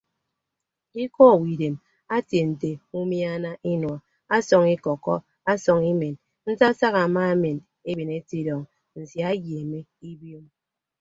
Ikọ owo idem etie nte umiana inua ọsọñ ikọkkọ ọsọñ imen nsasak amaamen eben etidọọñ nsia eyeeme ibiom.